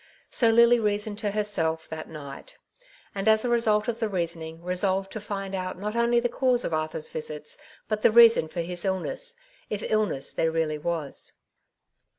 So Lily reasoned to herself that night ; and as a result of the reasoning, resolved to find out not only the cause of Arthur^s visits, but the reason for his illness, if illness there really was.